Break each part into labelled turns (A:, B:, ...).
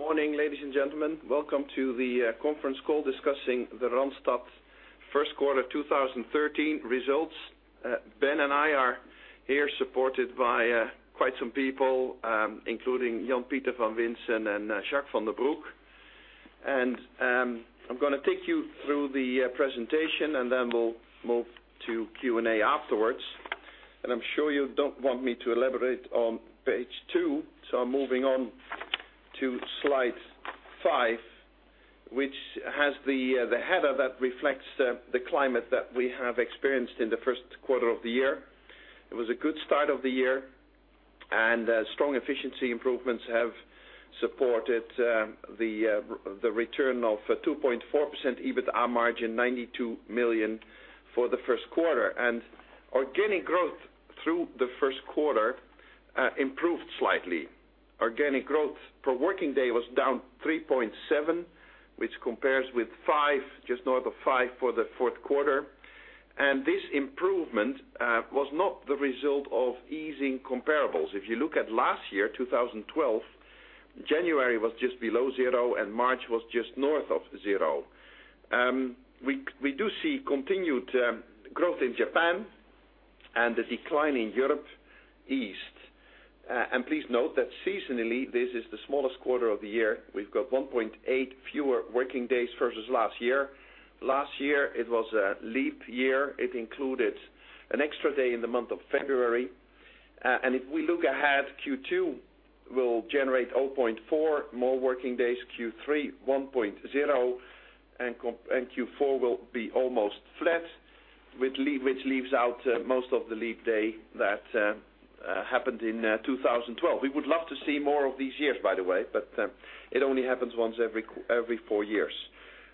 A: Good morning, ladies and gentlemen. Welcome to the conference call discussing the Randstad first quarter 2013 results. Ben and I are here supported by quite some people, including Jan-Pieter van Winsen and Jacques van den Broek. I'm going to take you through the presentation, we'll move to Q&A afterwards. I'm sure you don't want me to elaborate on page two, so I'm moving on to slide five, which has the header that reflects the climate that we have experienced in the first quarter of the year. It was a good start of the year, strong efficiency improvements have supported the return of 2.4% EBITA margin, 92 million for the first quarter. Organic growth through the first quarter improved slightly. Organic growth per working day was down 3.7%, which compares with 5%, just north of 5% for the fourth quarter. This improvement was not the result of easing comparables. If you look at last year, 2012, January was just below 0, March was just north of 0. We do see continued growth in Japan and a decline in Europe East. Please note that seasonally, this is the smallest quarter of the year. We've got 1.8 fewer working days versus last year. Last year, it was a leap year. It included an extra day in the month of February. If we look ahead, Q2 will generate 0.4 more working days, Q3, 1.0, Q4 will be almost flat, which leaves out most of the leap day that happened in 2012. We would love to see more of these years, by the way, but it only happens once every four years.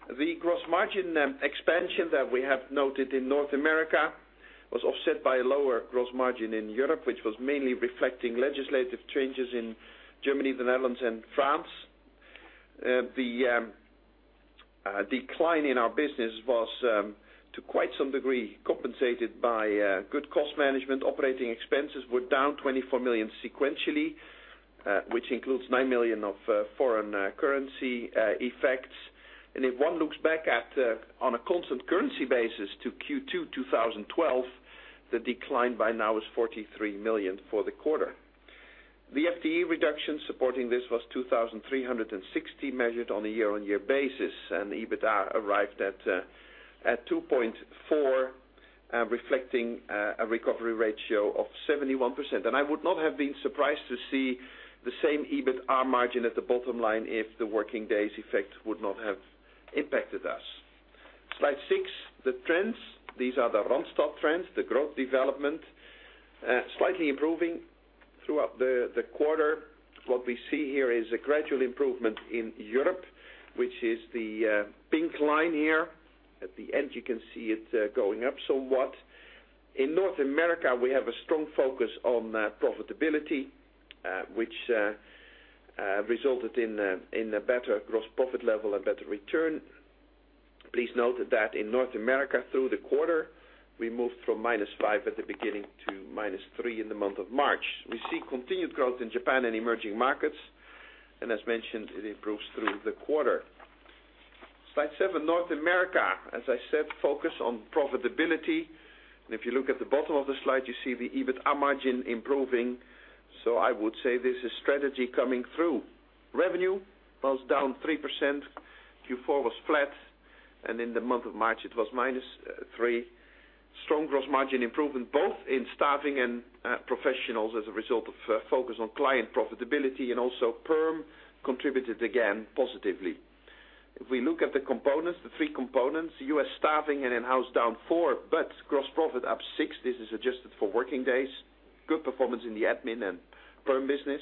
A: The gross margin expansion that we have noted in North America was offset by a lower gross margin in Europe, which was mainly reflecting legislative changes in Germany, the Netherlands, and France. The decline in our business was, to quite some degree, compensated by good cost management. Operating expenses were down 24 million sequentially, which includes 9 million of foreign currency effects. If one looks back at, on a constant currency basis, to Q2 2012, the decline by now is 43 million for the quarter. The FTE reduction supporting this was 2,360 measured on a year-on-year basis, EBITA arrived at 2.4%, reflecting a recovery ratio of 71%. I would not have been surprised to see the same EBITA margin at the bottom line if the working days effect would not have impacted us. Slide six, the trends. These are the Randstad trends, the growth development slightly improving throughout the quarter. What we see here is a gradual improvement in Europe, which is the pink line here. At the end, you can see it going up somewhat. In North America, we have a strong focus on profitability, which resulted in a better gross profit level and better return. Please note that in North America through the quarter, we moved from -5% at the beginning to -3% in the month of March. We see continued growth in Japan and emerging markets. As mentioned, it improves through the quarter. Slide seven, North America. As I said, focus on profitability. If you look at the bottom of the slide, you see the EBITA margin improving. I would say this is strategy coming through. Revenue was down 3%. Q4 was flat. In the month of March, it was minus 3. Strong gross margin improvement both in staffing and professionals as a result of focus on client profitability, and also PERM contributed again positively. If we look at the components, the three components, U.S. staffing and in-house down 4, but gross profit up 6. This is adjusted for working days. Good performance in the admin and PERM business.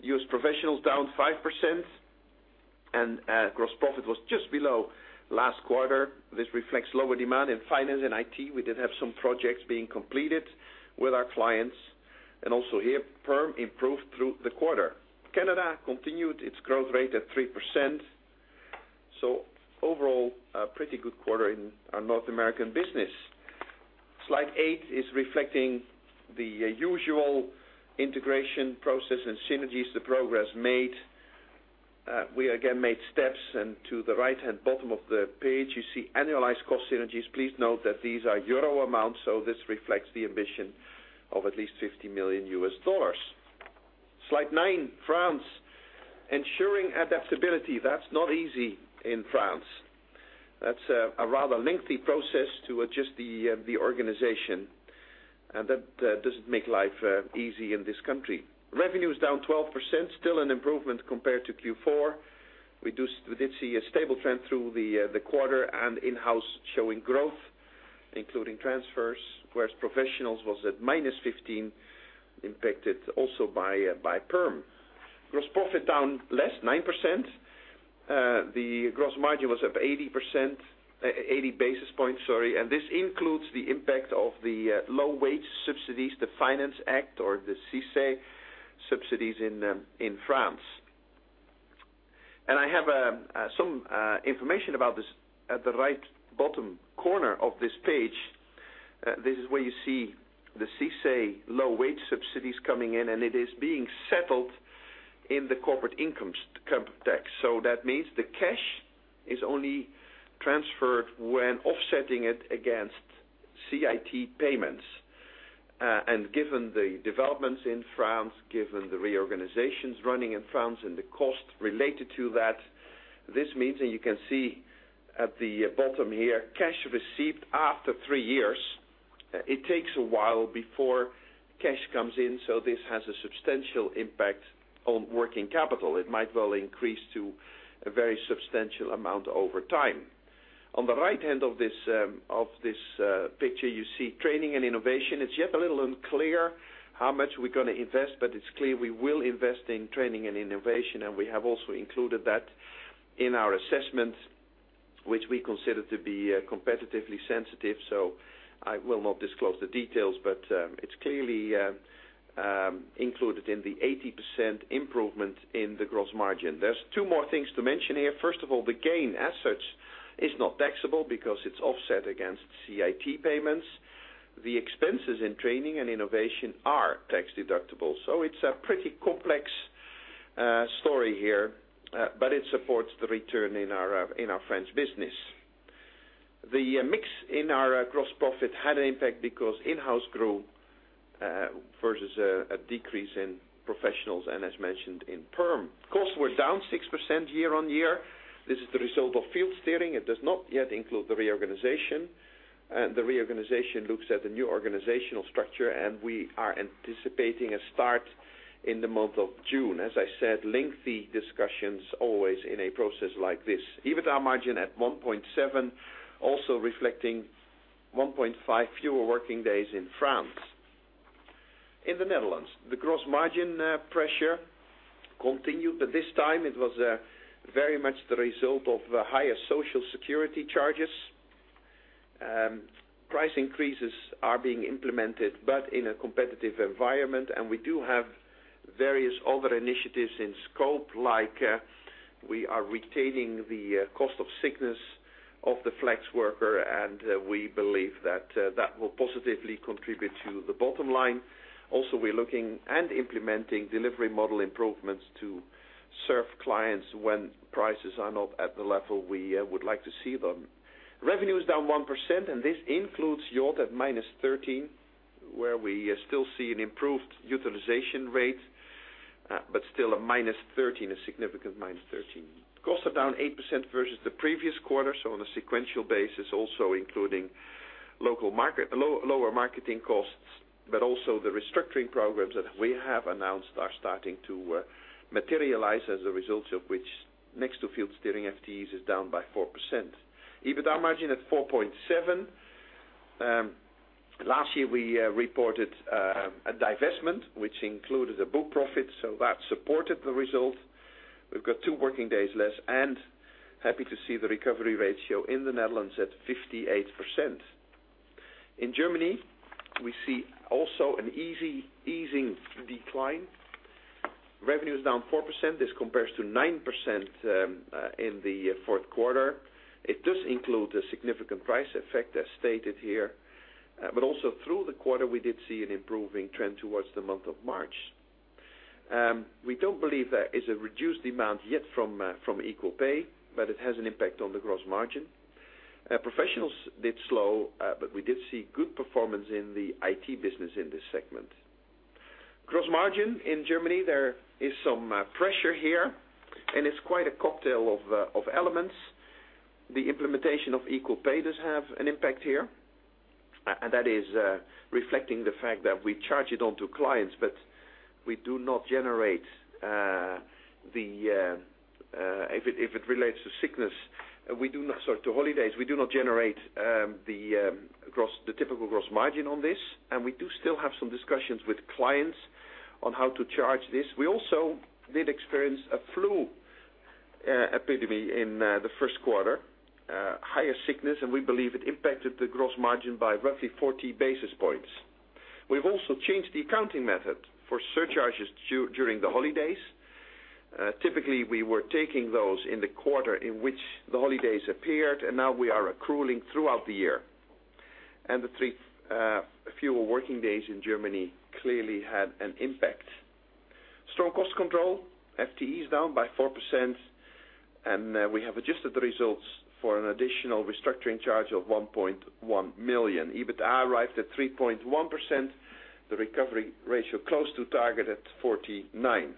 A: U.S. professionals down 5%, and gross profit was just below last quarter. This reflects lower demand in finance and IT. We did have some projects being completed with our clients, and also here, PERM improved through the quarter. Canada continued its growth rate at 3%. Overall, a pretty good quarter in our North American business. Slide eight is reflecting the usual integration process and synergies, the progress made. We again made steps. To the right-hand bottom of the page, you see annualized cost synergies. Please note that these are EUR amounts. This reflects the ambition of at least $50 million U.S. dollars. Slide nine, France. Ensuring adaptability. That's not easy in France. That's a rather lengthy process to adjust the organization. That doesn't make life easy in this country. Revenue is down 12%, still an improvement compared to Q4. We did see a stable trend through the quarter, and in-house showing growth, including transfers, whereas professionals was at -15%, impacted also by PERM. Gross profit down less, 9%. The gross margin was up 80 basis points. This includes the impact of the low-wage subsidies, the Finance Act or the CICE subsidies in France. I have some information about this at the right bottom corner of this page. This is where you see the CICE low wage subsidies coming in. It is being settled in the corporate income tax. That means the cash is only transferred when offsetting it against CIT payments. Given the developments in France, given the reorganizations running in France and the cost related to that, this means that you can see at the bottom here, cash received after 3 years. It takes a while before cash comes in. This has a substantial impact on working capital. It might well increase to a very substantial amount over time. On the right-hand of this picture, you see training and innovation. It's yet a little unclear how much we're going to invest, but it's clear we will invest in training and innovation. We have also included that in our assessment, which we consider to be competitively sensitive. I will not disclose the details, but it's clearly included in the 80% improvement in the gross margin. There are 2 more things to mention here. First of all, the gain as such is not taxable because it's offset against CIT payments. The expenses in training and innovation are tax-deductible. It's a pretty complex story here, but it supports the return in our French business. The mix in our gross profit had an impact because in-house grew versus a decrease in professionals and as mentioned in PERM. Costs were down 6% year-on-year. This is the result of field steering. It does not yet include the reorganization. The reorganization looks at the new organizational structure. We are anticipating a start in the month of June. As I said, lengthy discussions always in a process like this. EBITDA margin at 1.7%, also reflecting 1.5 fewer working days in France. In the Netherlands, the gross margin pressure continued, but this time it was very much the result of higher Social Security charges. Price increases are being implemented but in a competitive environment. We do have various other initiatives in scope, like we are retaining the cost of sickness of the flex worker, and we believe that that will positively contribute to the bottom line. We are looking and implementing delivery model improvements to serve clients when prices are not at the level we would like to see them. Revenue is down 1%, and this includes Yacht at -13%, where we still see an improved utilization rate, but still a -13%, a significant -13%. Costs are down 8% versus the previous quarter, on a sequential basis, also including lower marketing costs. The restructuring programs that we have announced are starting to materialize as a result of which next to field steering, FTEs is down by 4%. EBITDA margin at 4.7%. Last year, we reported a divestment which included a book profit, so that supported the result. We have got two working days less and happy to see the recovery ratio in the Netherlands at 58%. In Germany, we see also an easing decline. Revenue is down 4%. This compares to 9% in the fourth quarter. It does include a significant price effect as stated here. Through the quarter, we did see an improving trend towards the month of March. We do not believe there is a reduced amount yet from Equal Pay, but it has an impact on the gross margin. Professionals did slow. We did see good performance in the IT business in this segment. Gross margin in Germany, there is some pressure here, and it is quite a cocktail of elements. The implementation of Equal Pay does have an impact here, and that is reflecting the fact that we charge it on to clients, but we do not generate, if it relates to holidays, we do not generate the typical gross margin on this, and we do still have some discussions with clients on how to charge this. We also did experience a flu epidemic in the first quarter. Higher sickness, and we believe it impacted the gross margin by roughly 40 basis points. We have also changed the accounting method for surcharges during the holidays. Typically, we were taking those in the quarter in which the holidays appeared. Now we are accruing throughout the year. The three fewer working days in Germany clearly had an impact. Strong cost control, FTE is down by 4%, and we have adjusted the results for an additional restructuring charge of 1.1 million. EBITDA arrived at 3.1%, the recovery ratio close to target at 49%.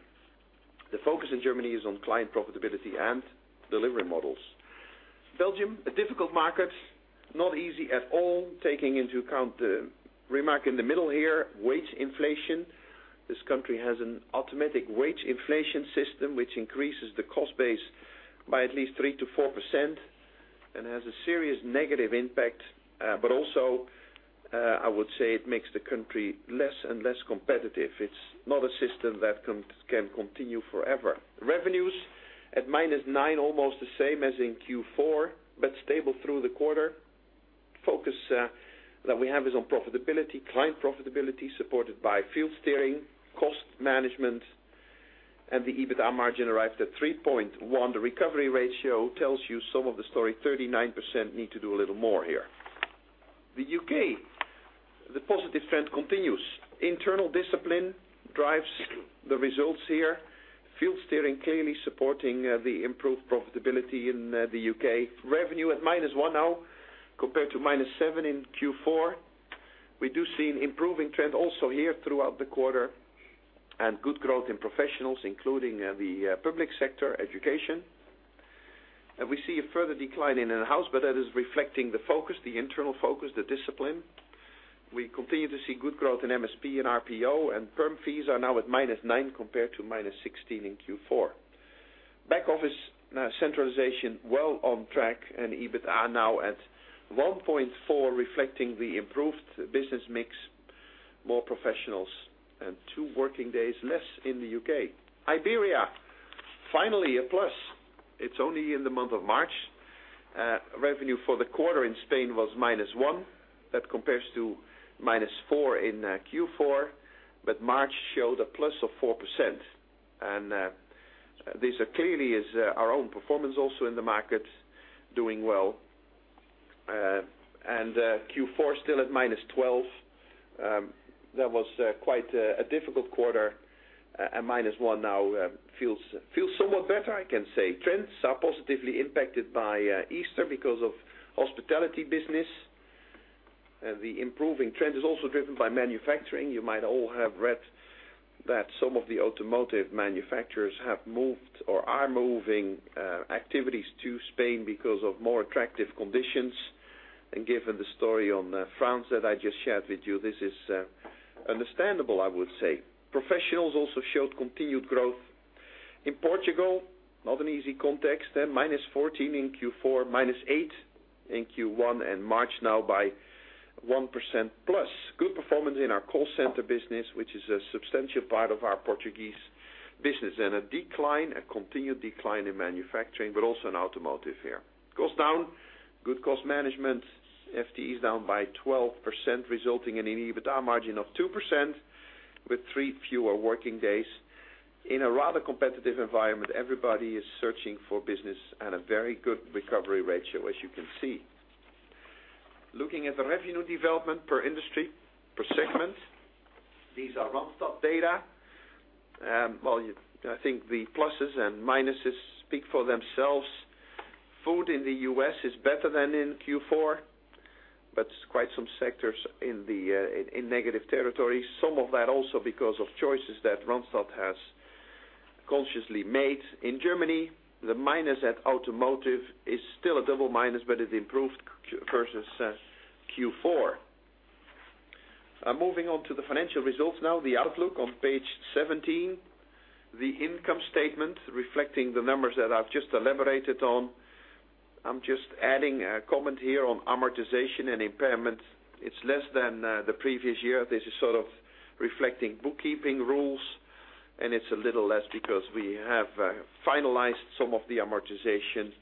A: The focus in Germany is on client profitability and delivery models. Belgium, a difficult market, not easy at all, taking into account the remark in the middle here, wage inflation. This country has an automatic wage inflation system which increases the cost base by at least 3%-4% and has a serious negative impact. Also, I would say it makes the country less and less competitive. It is not a system that can continue forever. Revenues at -9%, almost the same as in Q4, stable through the quarter. Focus that we have is on profitability, client profitability, supported by field steering, cost management. The EBITDA margin arrived at 3.1%. The recovery ratio tells you some of the story, 39% need to do a little more here. The U.K., the positive trend continues. Internal discipline drives the results here. Field steering clearly supporting the improved profitability in the U.K. Revenue at -1% now compared to -7% in Q4. We do see an improving trend also here throughout the quarter, and good growth in professionals, including the public sector education. We see a further decline in in-house, but that is reflecting the focus, the internal focus, the discipline. We continue to see good growth in MSP and RPO and perm fees are now at -9% compared to -16% in Q4. Back office centralization well on track. EBITDA now at 1.4%, reflecting the improved business mix, more professionals, and two working days less in the U.K. Iberia, finally a plus. It's only in the month of March. Revenue for the quarter in Spain was -1%. That compares to -4% in Q4, but March showed a plus of 4%. This clearly is our own performance also in the market doing well. Q4 still at -12%. That was quite a difficult quarter. -1% now feels somewhat better, I can say. Trends are positively impacted by Easter because of hospitality business. The improving trend is also driven by manufacturing. You might all have read that some of the automotive manufacturers have moved or are moving activities to Spain because of more attractive conditions. Given the story on France that I just shared with you, this is understandable, I would say. Professionals also showed continued growth. In Portugal, not an easy context. -14% in Q4, -8% in Q1, and March now by 1% plus. Good performance in our call center business, which is a substantial part of our Portuguese business. A decline, a continued decline in manufacturing, but also in automotive here. Costs down, good cost management, FTE is down by 12%, resulting in an EBITDA margin of 2% with three fewer working days. In a rather competitive environment, everybody is searching for business and a very good recovery ratio, as you can see. Looking at the revenue development per industry, per segment. These are Randstad data. I think the pluses and minuses speak for themselves. Food in the U.S. is better than in Q4. Quite some sectors in negative territory. Some of that also because of choices that Randstad has consciously made. In Germany, the minus at automotive is still a double minus. It improved versus Q4. Moving on to the financial results now. The outlook on page 17. The income statement reflecting the numbers that I've just elaborated on. I'm just adding a comment here on amortization and impairment. It's less than the previous year. This is sort of reflecting bookkeeping rules. It's a little less because we have finalized some of the amortization.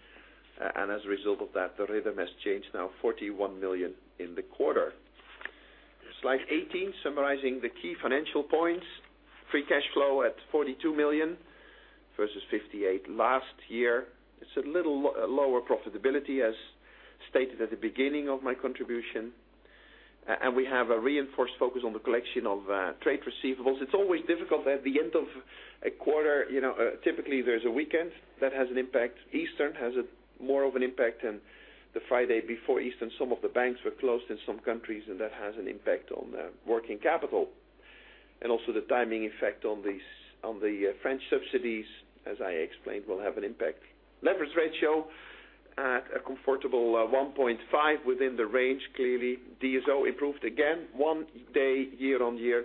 A: As a result of that, the rhythm has changed now 41 million in the quarter. Slide 18, summarizing the key financial points. Free cash flow at 42 million versus 58 million last year. It's a little lower profitability as stated at the beginning of my contribution. We have a reinforced focus on the collection of trade receivables. It's always difficult at the end of a quarter. Typically, there's a weekend that has an impact. Easter has more of an impact than the Friday before Easter. Some of the banks were closed in some countries, and that has an impact on working capital. Also the timing effect on the French subsidies, as I explained, will have an impact. Leverage ratio at a comfortable 1.5 within the range, clearly. DSO improved again, one day year-on-year.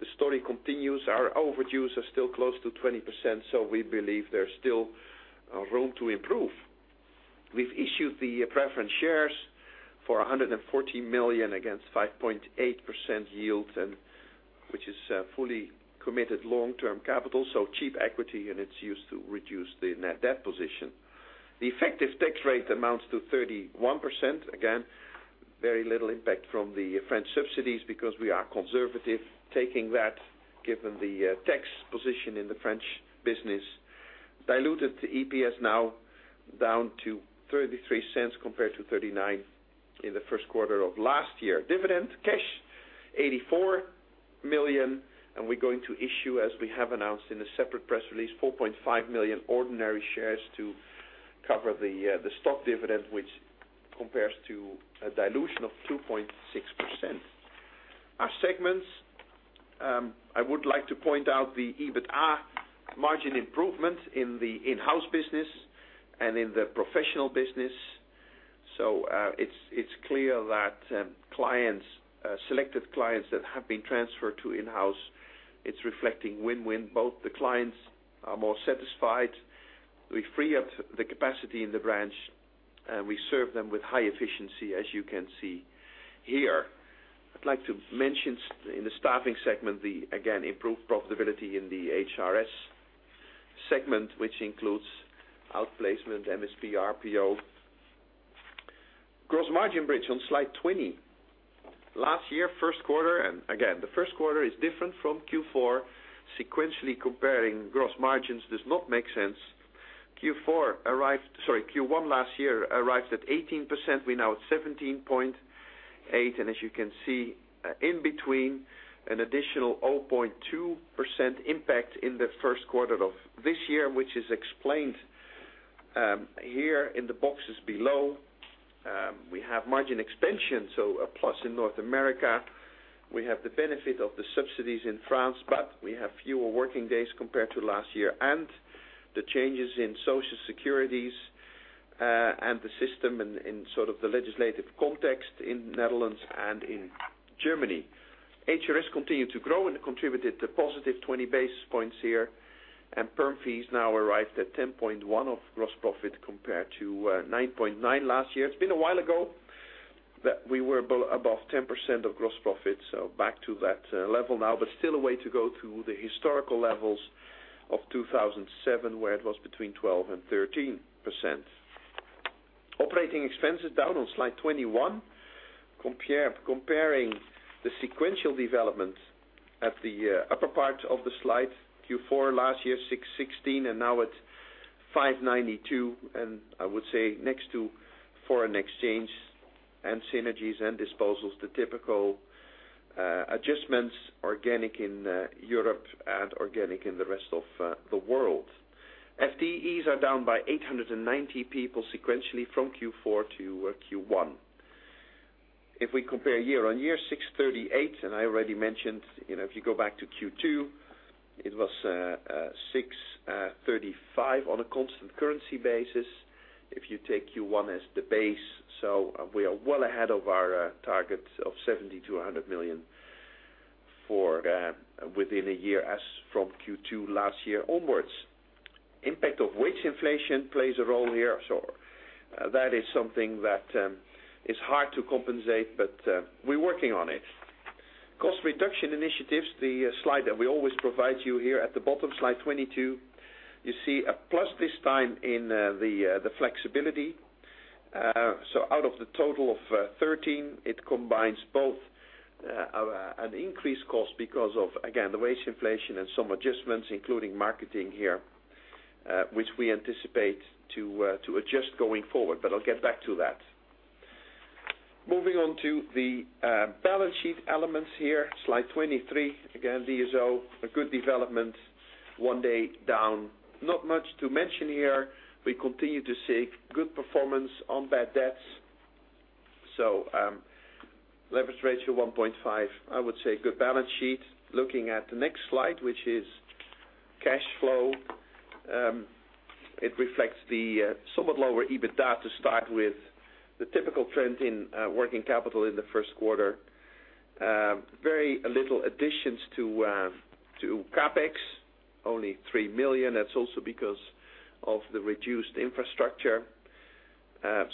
A: The story continues. Our overdues are still close to 20%, so we believe there's still room to improve. We've issued the preference shares for 114 million against 5.8% yield, which is fully committed long-term capital. Cheap equity, and it's used to reduce the net debt position. The effective tax rate amounts to 31%. Again, very little impact from the French subsidies because we are conservative taking that given the tax position in the French business. Diluted to EPS now down to 0.33 compared to 0.39 in the first quarter of last year. Dividend cash, 84 million. We're going to issue, as we have announced in a separate press release, 4.5 million ordinary shares to cover the stock dividend, which compares to a dilution of 2.6%. Our segments. I would like to point out the EBITA margin improvement in the in-house business and in the professional business. It's clear that selected clients that have been transferred to in-house, it's reflecting win-win. Both the clients are more satisfied. We free up the capacity in the branch, and we serve them with high efficiency, as you can see here. I'd like to mention in the staffing segment, again, improved profitability in the HRS segment, which includes outplacement, MSP, RPO. Gross margin bridge on slide 20. Last year, first quarter. Again, the first quarter is different from Q4. Sequentially comparing gross margins does not make sense. Q1 last year arrived at 18%, we're now at 17.8%, and as you can see, in between, an additional 0.2% impact in the first quarter of this year, which is explained here in the boxes below. We have margin expansion, so a plus in North America. We have the benefit of the subsidies in France, but we have fewer working days compared to last year, and the changes in social securities, and the system in sort of the legislative context in Netherlands and in Germany. HRS continued to grow. Contributed to positive 20 basis points here. Perm fees now arrived at 10.1% of gross profit compared to 9.9% last year. It's been a while ago that we were above 10% of gross profit, so back to that level now, but still a way to go to the historical levels of 2007, where it was between 12% and 13%. Operating expenses down on slide 21. Comparing the sequential development at the upper part of the slide, Q4 last year, 616 million, now it's 592 million. I would say next to foreign exchange and synergies and disposals, the typical adjustments organic in Europe and organic in the rest of the world. FTEs are down by 890 people sequentially from Q4 to Q1. If we compare year-over-year, 638, and I already mentioned, if you go back to Q2, it was 635 on a constant currency basis. If you take Q1 as the base, we are well ahead of our target of 70 million to 100 million within a year as from Q2 last year onwards. Impact of wage inflation plays a role here. That is something that is hard to compensate, but we're working on it. Cost reduction initiatives, the slide that we always provide you here at the bottom, slide 22. You see a plus this time in the flexibility. Out of the total of 13, it combines both an increased cost because of, again, the wage inflation and some adjustments, including marketing here, which we anticipate to adjust going forward. I'll get back to that. Moving on to the balance sheet elements here, slide 23. Again, DSO, a good development, one day down. Not much to mention here. We continue to see good performance on bad debts. Leverage ratio 1.5. I would say good balance sheet. Looking at the next slide, which is cash flow. It reflects the somewhat lower EBITA to start with. The typical trend in working capital in the first quarter. Very little additions to CapEx, only 3 million. That's also because of the reduced infrastructure.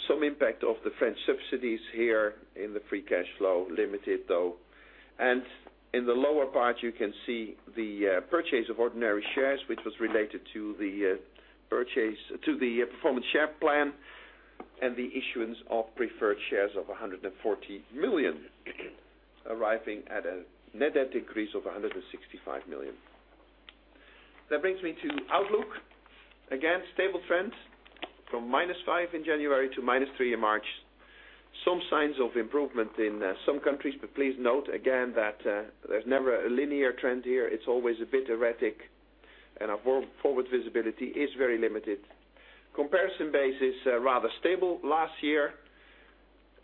A: Some impact of the French subsidies here in the free cash flow, limited though. In the lower part, you can see the purchase of ordinary shares, which was related to the performance share plan and the issuance of preference shares of 140 million, arriving at a net debt decrease of 165 million. That brings me to outlook. Again, stable trend from -5% in January to -3% in March. Some signs of improvement in some countries, please note again that there's never a linear trend here. It's always a bit erratic and our forward visibility is very limited. Comparison base is rather stable last year.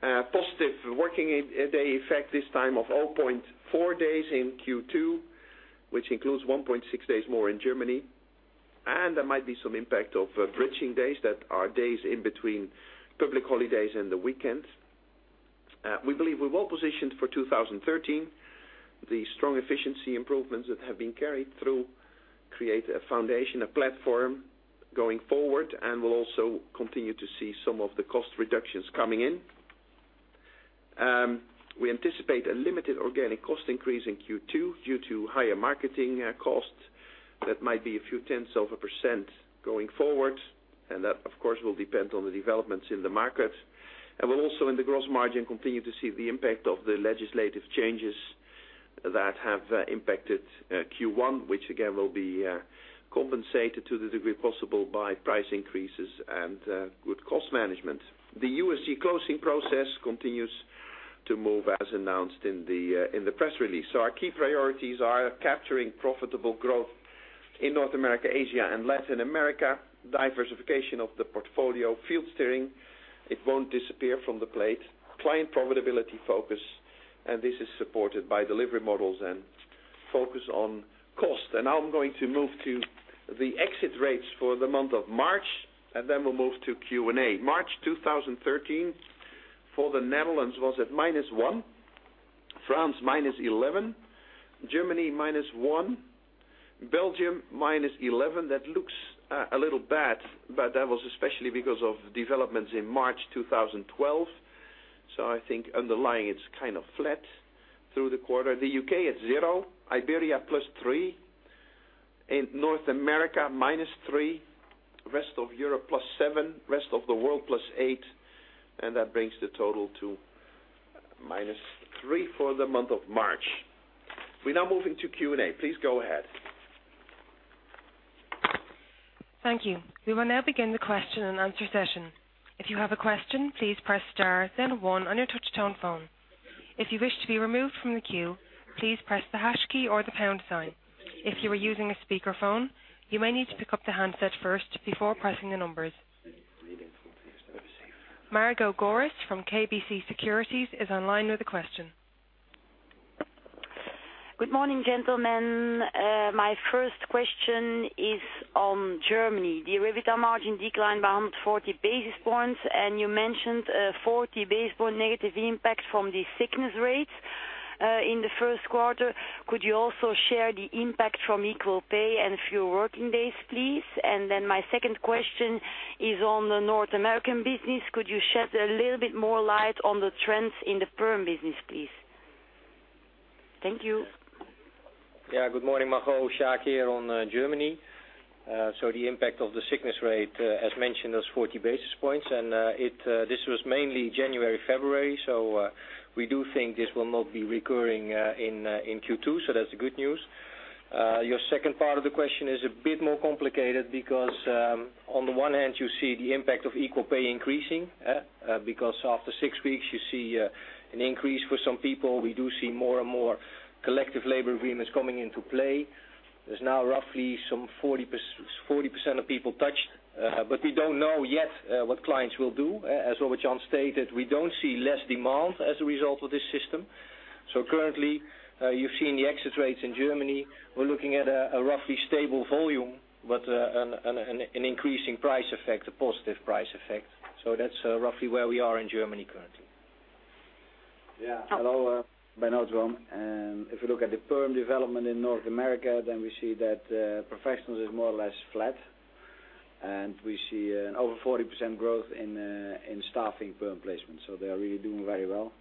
A: Positive working day effect this time of 0.4 days in Q2, which includes 1.6 days more in Germany. There might be some impact of bridging days that are days in between public holidays and the weekends. We believe we're well positioned for 2013. The strong efficiency improvements that have been carried through create a foundation, a platform going forward and we'll also continue to see some of the cost reductions coming in. We anticipate a limited organic cost increase in Q2 due to higher marketing costs. That might be a few tenths of a percent going forward, and that, of course, will depend on the developments in the market. We'll also in the gross margin continue to see the impact of the legislative changes that have impacted Q1, which again will be compensated to the degree possible by price increases and good cost management. The USG closing process continues to move as announced in the press release. Our key priorities are capturing profitable growth in North America, Asia and Latin America. Diversification of the portfolio. field steering, it won't disappear from the plate. Client profitability focus, and this is supported by delivery models and focus on cost. Now I'm going to move to the exit rates for the month of March, then we'll move to Q&A. March 2013 for the Netherlands was at -1%. France, -11%. Germany, -1%. Belgium, -11%. That looks a little bad, but that was especially because of developments in March 2012. I think underlying, it is kind of flat through the quarter. The U.K. at 0%, Iberia +3%. In North America, -3%, rest of Europe +7%, rest of the world +8%, and that brings the total to -3% for the month of March. We are now moving to Q&A. Please go ahead.
B: Thank you. We will now begin the question and answer session. If you have a question, please press star then one on your touch tone phone. If you wish to be removed from the queue, please press the hash key or the pound sign. If you are using a speakerphone, you may need to pick up the handset first before pressing the numbers. Margo Joris from KBC Securities is online with a question.
C: Good morning, gentlemen. My first question is on Germany. The EBITA margin declined by 40 basis points, and you mentioned a 40 basis point negative impact from the sickness rates in the first quarter. Could you also share the impact from equal pay and fewer working days, please? My second question is on the North American business. Could you shed a little bit more light on the trends in the PERM business, please? Thank you.
D: Good morning, Margo. Jacques here on Germany. The impact of the sickness rate, as mentioned, was 40 basis points, and this was mainly January, February. We do think this will not be recurring in Q2. That is the good news. Your second part of the question is a bit more complicated because, on the one hand, you see the impact of equal pay increasing. After six weeks you see an increase for some people. We do see more and more collective labor agreements coming into play. There is now roughly some 40% of people touched, but we do not know yet what clients will do. As Robert Jan stated, we do not see less demand as a result of this system. Currently, you have seen the exit rates in Germany. We are looking at a roughly stable volume, but an increasing price effect, a positive price effect. That's roughly where we are in Germany currently.
E: Hello, Ben Noteboom. If you look at the PERM development in North America, then we see that professionals is more or less flat, and we see an over 40% growth in staffing PERM placement. They are really doing very well.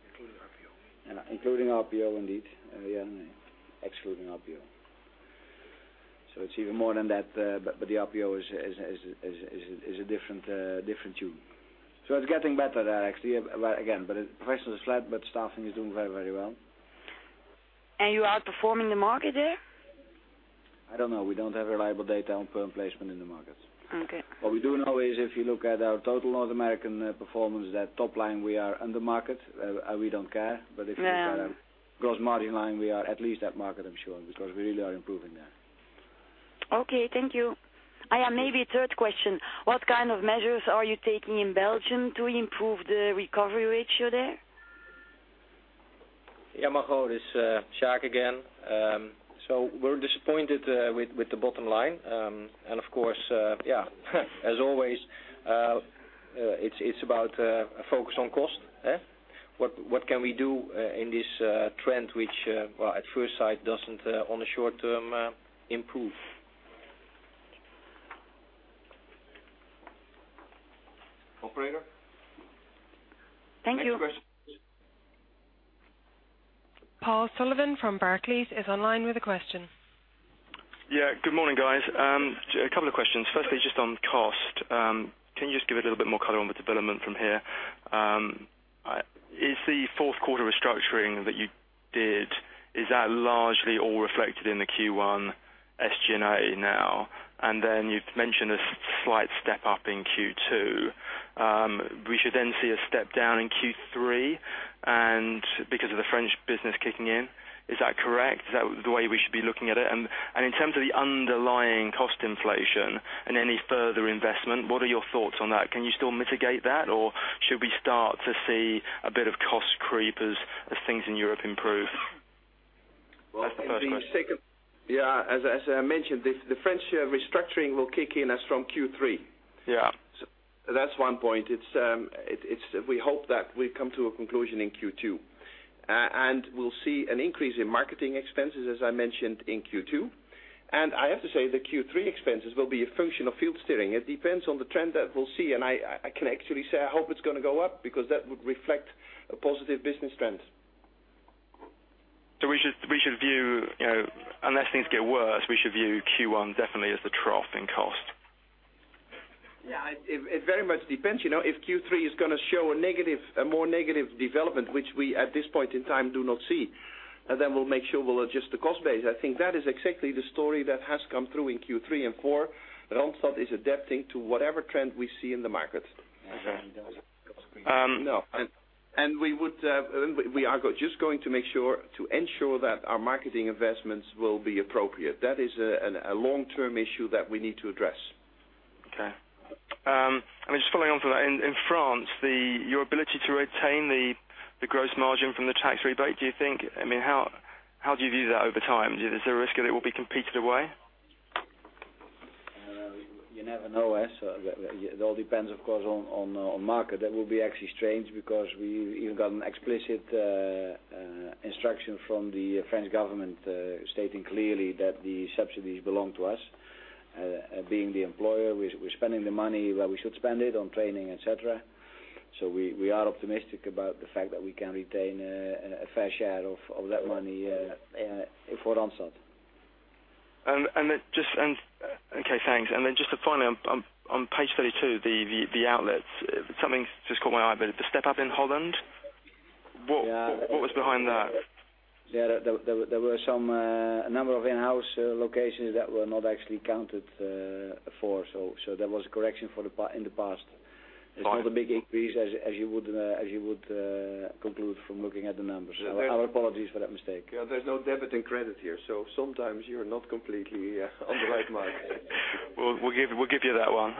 A: Including RPO.
E: Including RPO, indeed. Excluding RPO. It's even more than that, but the RPO is a different tune. It's getting better there, actually. Again, professional is flat, but staffing is doing very well.
C: Are you outperforming the market there?
E: I don't know. We don't have reliable data on PERM placement in the market.
C: Okay.
E: What we do know is if you look at our total North American performance, that top line, we are under market. We don't care.
C: Yeah.
E: If you look at our gross margin line, we are at least at market, I'm sure, because we really are improving there.
C: Okay, thank you. I have maybe a third question. What kind of measures are you taking in Belgium to improve the recovery ratio there?
D: Yeah, Margot. It's Jacques again. We're disappointed with the bottom line. Of course, yeah as always, it's about a focus on cost. What can we do in this trend, which at first sight doesn't, on the short term, improve? Operator?
C: Thank you.
B: Next question. Paul Sullivan from Barclays is online with a question.
F: Yeah. Good morning, guys. A couple of questions. Firstly, just on cost. Can you just give a little bit more color on the development from here? Is the fourth quarter restructuring that you did, is that largely all reflected in the Q1 SG&A now? You've mentioned a slight step up in Q2. We should see a step down in Q3 and because of the French business kicking in, is that correct? Is that the way we should be looking at it? In terms of the underlying cost inflation and any further investment, what are your thoughts on that? Can you still mitigate that, or should we start to see a bit of cost creep as things in Europe improve? That's the first question.
D: Yeah. As I mentioned, the French restructuring will kick in as from Q3.
F: Yeah.
D: That's one point. We hope that we come to a conclusion in Q2. We'll see an increase in marketing expenses, as I mentioned in Q2. I have to say, the Q3 expenses will be a function of field steering. It depends on the trend that we'll see, and I can actually say I hope it's going to go up because that would reflect a positive business trend.
F: We should view, unless things get worse, we should view Q1 definitely as the trough in cost.
D: Yeah. It very much depends. If Q3 is going to show a more negative development, which we, at this point in time, do not see, then we'll make sure we'll adjust the cost base. I think that is exactly the story that has come through in Q3 and Q4. Randstad is adapting to whatever trend we see in the market.
F: Then there was cost creep.
D: No. We are just going to ensure that our marketing investments will be appropriate. That is a long-term issue that we need to address.
F: Okay. Just following on from that. In France, your ability to retain the gross margin from the tax rebate, how do you view that over time? Is there a risk that it will be competed away?
E: You never know. It all depends, of course, on market. That will be actually strange because you've got an explicit instruction from the French government stating clearly that the subsidies belong to us. Being the employer, we're spending the money where we should spend it, on training, et cetera. We are optimistic about the fact that we can retain a fair share of that money for Randstad.
F: Okay, thanks. Just finally, on page 32, the outlets. Something just caught my eye, the step-up in Holland, what was behind that?
E: There were a number of in-house locations that were not actually counted for. There was a correction in the past. It's not a big increase as you would conclude from looking at the numbers. Our apologies for that mistake.
A: There's no debit and credit here, sometimes you're not completely on the right mark.
F: We'll give you that one.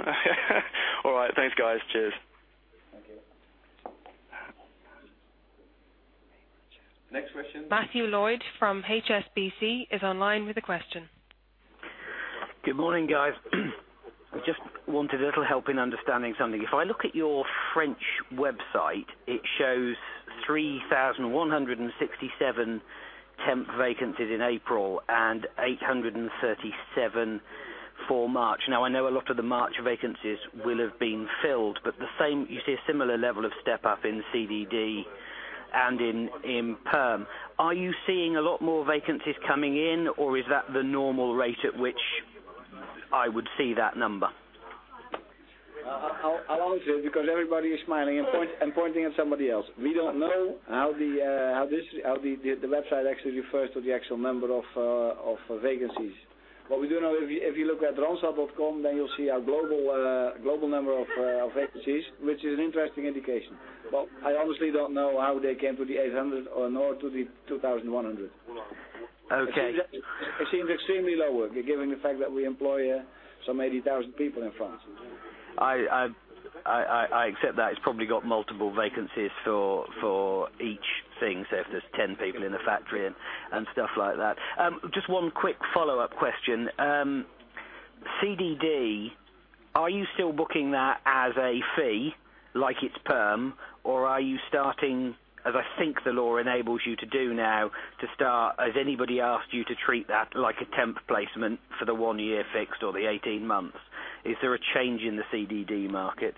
F: All right. Thanks, guys. Cheers.
D: Thank you.
A: Next question.
B: Matthew Lloyd from HSBC is online with a question.
G: Good morning, guys. I just wanted a little help in understanding something. If I look at your French website, it shows 3,167 temp vacancies in April and 837 for March. I know a lot of the March vacancies will have been filled, but you see a similar level of step-up in CDD and in PERM. Are you seeing a lot more vacancies coming in, or is that the normal rate at which I would see that number?
D: I'll answer because everybody is smiling and pointing at somebody else. We don't know how the website actually refers to the actual number of vacancies. What we do know, if you look at randstad.com, you'll see our global number of vacancies, which is an interesting indication. I honestly don't know how they came to the 800 or nor to the 2,100.
G: Okay.
D: It seems extremely low, given the fact that we employ some 80,000 people in France.
G: I accept that. It's probably got multiple vacancies for each thing. If there's 10 people in the factory and stuff like that. Just one quick follow-up question. CDD, are you still booking that as a fee like it's PERM, or are you starting, as I think the law enables you to do now, has anybody asked you to treat that like a temp placement for the one-year fixed or the 18 months? Is there a change in the CDD market?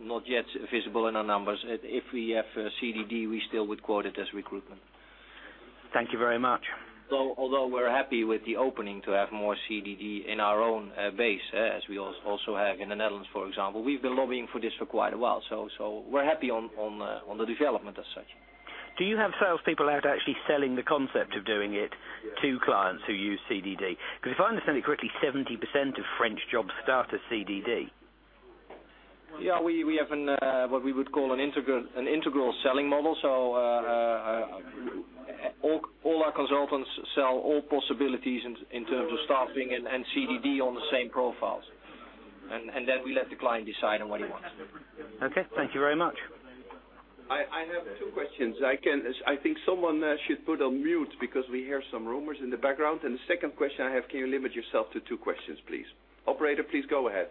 D: Not yet visible in our numbers. If we have CDD, we still would quote it as recruitment.
G: Thank you very much.
D: Although we're happy with the opening to have more CDD in our own base, as we also have in the Netherlands, for example. We've been lobbying for this for quite a while, so we're happy on the development as such.
G: Do you have salespeople out actually selling the concept of doing it to clients who use CDD? Because if I understand it correctly, 70% of French jobs start as CDD.
D: Yeah. We have what we would call an integral selling model. All our consultants sell all possibilities in terms of staffing and CDD on the same profiles. Then we let the client decide on what he wants.
G: Okay. Thank you very much.
A: I have two questions. I think someone should put on mute because we hear some rumors in the background. The second question I have, can you limit yourself to two questions, please? Operator, please go ahead.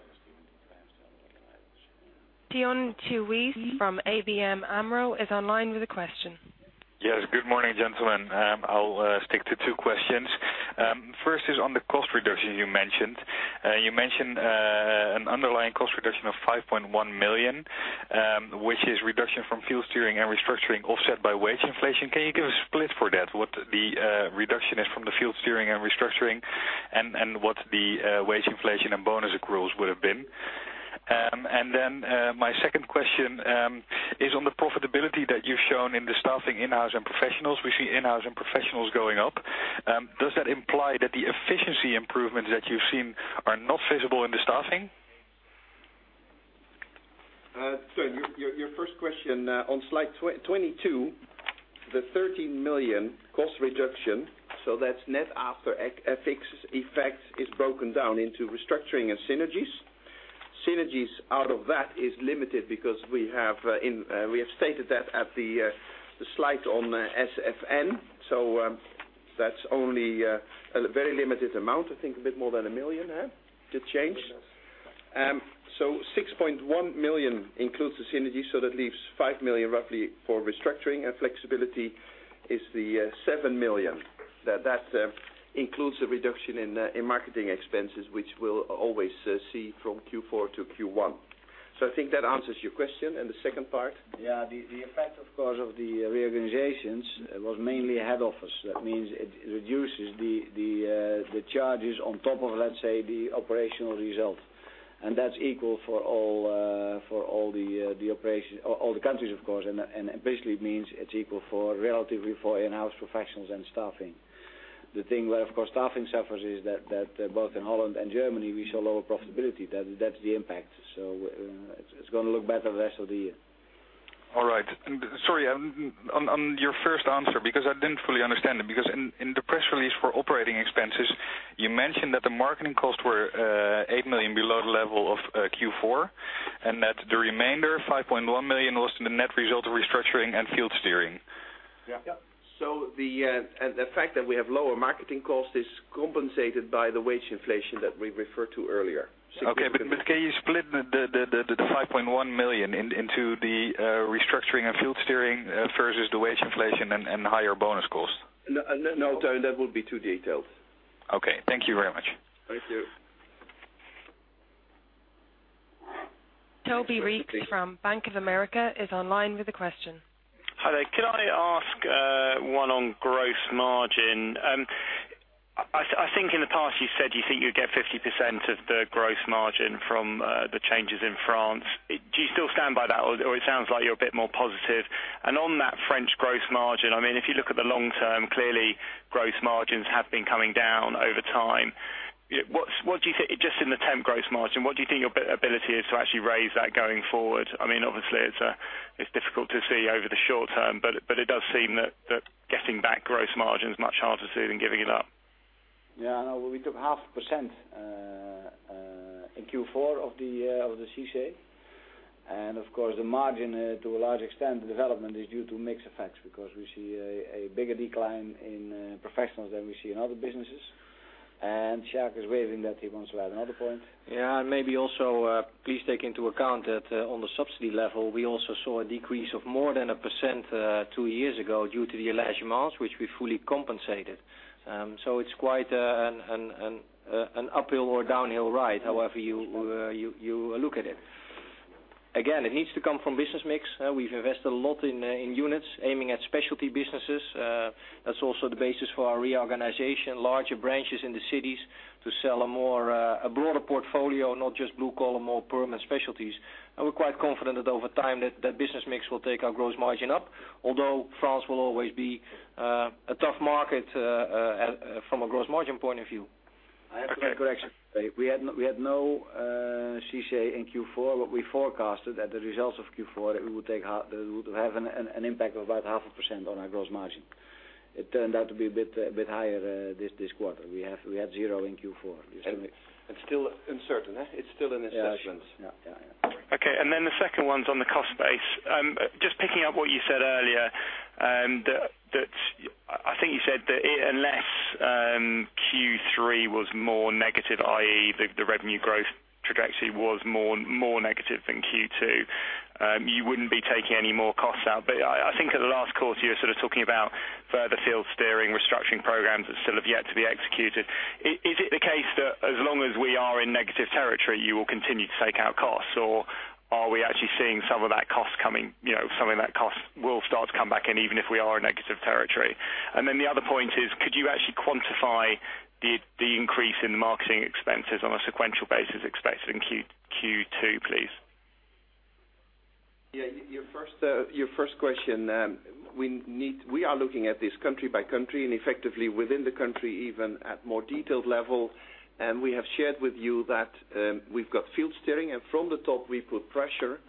B: [ Floris ten Duis] from ABN AMRO is online with a question.
H: Yes. Good morning, gentlemen. I'll stick to two questions. First is on the cost reduction you mentioned. You mentioned an underlying cost reduction of 5.1 million, which is reduction from field steering and restructuring offset by wage inflation. Can you give a split for that, what the reduction is from the field steering and restructuring and what the wage inflation and bonus accruals would have been? My second question is on the profitability that you've shown in the staffing in-house and professionals. We see in-house and professionals going up. Does that imply that the efficiency improvements that you've seen are not visible in the staffing?
A: Your first question, on slide 22, the 13 million cost reduction. That's net after fixed effects is broken down into restructuring and synergies. Synergies out of that is limited because we have stated that at the slide on SFN. That's only a very limited amount, I think a bit more than 1 million, to change. 6.1 million includes the synergies, that leaves 5 million roughly for restructuring, and flexibility is the 7 million. That includes a reduction in marketing expenses, which we'll always see from Q4 to Q1. I think that answers your question. The second part?
E: The effect, of course, of the reorganizations was mainly head office. That means it reduces the charges on top of, let's say, the operational result. That's equal for all the countries, of course, and basically means it's equal for relatively for in-house professionals and staffing. The thing where, of course, staffing suffers is that both in Holland and Germany, we saw lower profitability. That's the impact. It's going to look better the rest of the year.
H: All right. Sorry, on your first answer, because I didn't fully understand it, because in the press release for operating expenses, you mentioned that the marketing costs were 8 million below the level of Q4, and that the remainder, 5.1 million, was the net result of restructuring and field steering.
A: Yeah. The fact that we have lower marketing costs is compensated by the wage inflation that we referred to earlier.
H: Okay. Can you split the 5.1 million into the restructuring and field steering versus the wage inflation and higher bonus costs?
D: No, [inaudible] that would be too detailed.
H: Okay. Thank you very much.
D: Thank you.
B: Toby Reeks from Bank of America is online with a question.
I: Hi there. Could I ask one on gross margin? I think in the past you said you think you'd get 50% of the gross margin from the changes in France. Do you still stand by that, or it sounds like you're a bit more positive? On that French gross margin, if you look at the long term, clearly gross margins have been coming down over time. Just in the temp gross margin, what do you think your ability is to actually raise that going forward? Obviously, it's difficult to see over the short term, but it does seem that getting back gross margin is much harder to do than giving it up.
E: Yeah, I know. We took half a percent in Q4 of the CICE, of course, the margin to a large extent, the development is due to mix effects because we see a bigger decline in professionals than we see in other businesses. Jacques is waving that he wants to add another point.
D: Yeah, maybe also please take into account that on the subsidy level, we also saw a decrease of more than 1% two years ago due to the which we fully compensated. It's quite an uphill or downhill ride, however you look at it. Again, it needs to come from business mix. We've invested a lot in units aiming at specialty businesses. That's also the basis for our reorganization, larger branches in the cities to sell a broader portfolio, not just blue collar, more permanent specialties. We're quite confident that over time, that business mix will take our gross margin up, although France will always be a tough market from a gross margin point of view.
E: I have to make a correction. We had no CICE in Q4. We forecasted that the results of Q4 that it would have an impact of about half a percent on our gross margin. It turned out to be a bit higher this quarter. We had zero in Q4.
A: It's still uncertain. It's still an assessment.
E: Yeah.
I: Okay. The second one's on the cost base. Just picking up what you said earlier, I think you said that unless Q3 was more negative, i.e., the revenue growth trajectory was more negative than Q2, you wouldn't be taking any more costs out. I think at the last quarter, you were sort of talking about further field steering, restructuring programs that still have yet to be executed. Is it the case that as long as we are in negative territory, you will continue to take out costs? Are we actually seeing some of that cost will start to come back in, even if we are in negative territory? The other point is, could you actually quantify the increase in the marketing expenses on a sequential basis expected in Q2, please?
A: Yeah. Your first question, we are looking at this country by country and effectively within the country, even at more detailed level. We have shared with you that we've got field steering and from the top we put pressure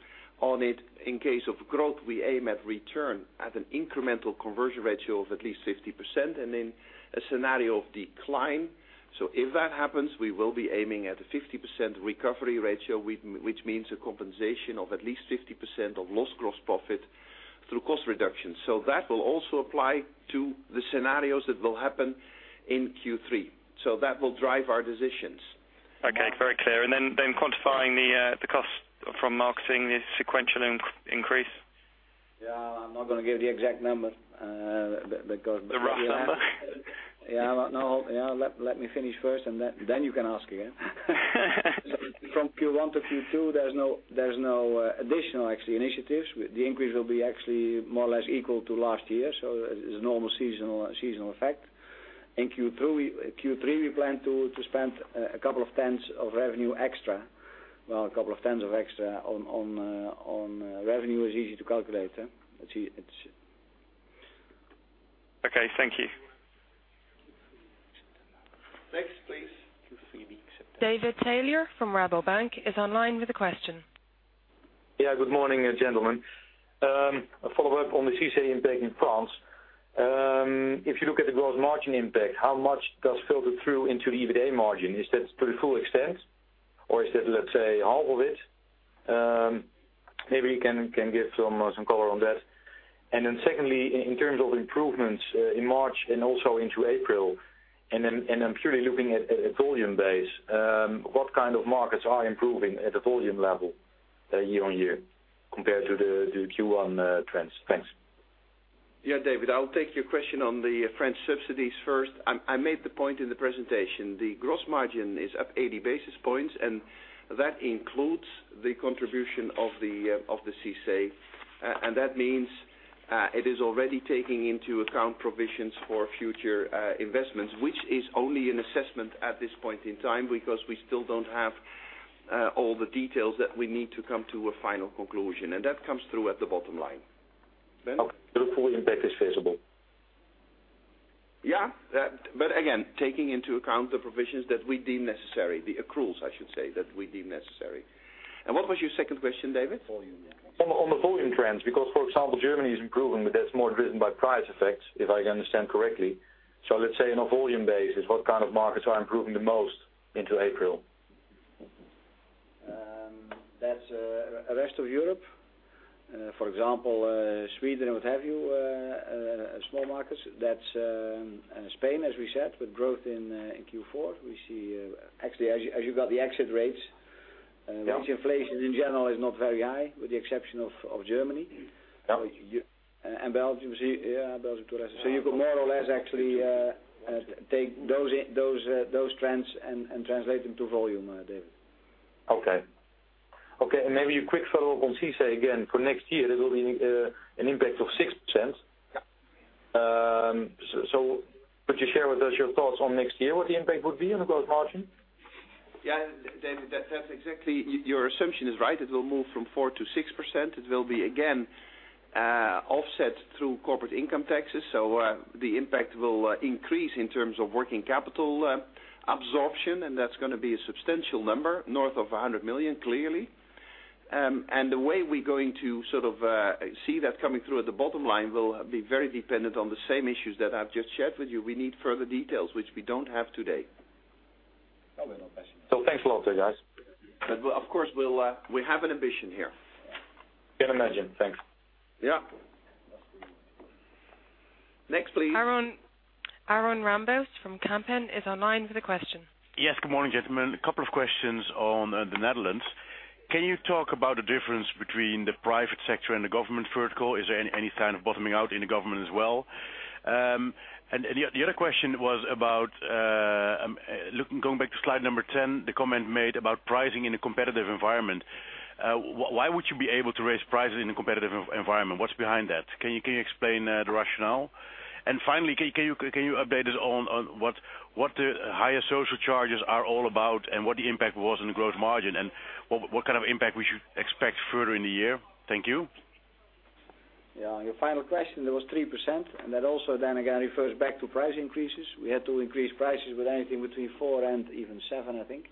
A: on it. In case of growth, we aim at return at an incremental conversion ratio of at least 50% and in a scenario of decline. If that happens, we will be aiming at a 50% recovery ratio, which means a compensation of at least 50% of lost gross profit through cost reduction. That will also apply to the scenarios that will happen in Q3. That will drive our decisions.
I: Okay. Very clear. Quantifying the cost from marketing, the sequential increase.
E: Yeah, I'm not going to give the exact number.
I: The rough number.
E: Yeah. No, let me finish first and then you can ask again. From Q1 to Q2, there is no additional initiatives. The increase will be actually more or less equal to last year. It's a normal seasonal effect. In Q3, we plan to spend a couple of tens of revenue extra. Well, a couple of tens of extra on revenue is easy to calculate.
I: Okay. Thank you.
A: Next, please.
B: David Taylor from Rabobank is online with a question.
J: Yeah. Good morning, gentlemen. A follow-up on the CICE impact in France. If you look at the gross margin impact, how much does filter through into the EBITDA margin? Is that to the full extent, or is that, let's say, half of it? Maybe you can give some color on that. Secondly, in terms of improvements in March and also into April, and I'm purely looking at a volume base, what kind of markets are improving at the volume level year-on-year compared to the Q1 trends? Thanks.
A: Yeah, David, I'll take your question on the French subsidies first. I made the point in the presentation, the gross margin is up 80 basis points. That includes the contribution of the CICE, and that means it is already taking into account provisions for future investments, which is only an assessment at this point in time because we still don't have all the details that we need to come to a final conclusion. That comes through at the bottom line. Ben?
J: Okay. The full impact is visible.
E: Yeah. Again, taking into account the provisions that we deem necessary, the accruals, I should say, that we deem necessary. What was your second question, David?
J: On the volume trends, because for example, Germany is improving, but that's more driven by price effects, if I understand correctly. Let's say on a volume basis, what kind of markets are improving the most into April?
E: That's rest of Europe. For example, Sweden, what have you, small markets. That's Spain, as we said, with growth in Q4. Actually, as you got the exit rates-
J: Yeah.
E: Wage inflation, in general, is not very high, with the exception of Germany.
D: Yeah.
E: Belgium. You could more or less actually take those trends and translate them to volume, David.
J: Okay. Maybe a quick follow-up on CICE again. For next year, there will be an impact of 6%.
D: Yeah.
J: Could you share with us your thoughts on next year, what the impact would be on the growth margin?
E: Yeah, David, your assumption is right. It will move from 4% to 6%. It will be, again, offset through corporate income taxes. The impact will increase in terms of working capital absorption, and that's going to be a substantial number, north of 100 million, clearly. The way we're going to see that coming through at the bottom line will be very dependent on the same issues that I've just shared with you. We need further details, which we don't have today.
J: Thanks a lot, guys.
D: Of course, we have an ambition here.
J: I can imagine. Thanks.
D: Yeah. Next, please.
B: Arun Rambocus from Kempen is online with a question.
K: Yes. Good morning, gentlemen. A couple of questions on the Netherlands. Can you talk about the difference between the private sector and the government vertical? Is there any kind of bottoming out in the government as well? The other question was about, going back to slide 10, the comment made about pricing in a competitive environment. Why would you be able to raise prices in a competitive environment? What's behind that? Can you explain the rationale? Finally, can you update us on what the higher social charges are all about and what the impact was on the gross margin, and what kind of impact we should expect further in the year? Thank you.
D: On your final question, there was 3%, and that also then again refers back to price increases. We had to increase prices with anything between 4% and even 7%, I think.